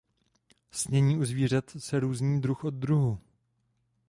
Snění u zvířat se různí druh od druhu.